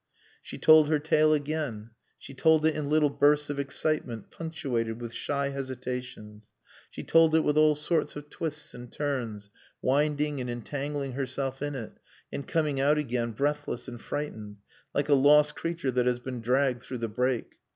She told her tale again; she told it in little bursts of excitement punctuated with shy hesitations. She told it with all sorts of twists and turns, winding and entangling herself in it and coming out again breathless and frightened, like a lost creature that has been dragged through the brake.